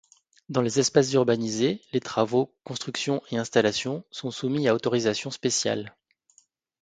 Dans les espaces urbanisés, les travaux, constructions et installations sont soumis à autorisation spéciale.